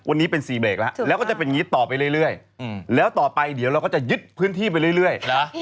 วันนี้เป็น๔เบรกแล้วฮะแล้วก็จะอย่างนี้ต่อไปเรื่อย